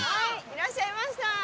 いらっしゃいました。